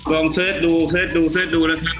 ต้องซื้อดูซื้อดูซื้อดูซื้อดูนะครับ